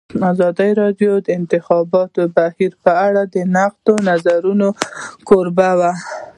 ازادي راډیو د د انتخاباتو بهیر په اړه د نقدي نظرونو کوربه وه.